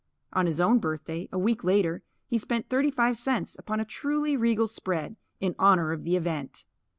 On his own birthday, a week later, he spent thirty five cents upon a truly regal spread, in honour of the event.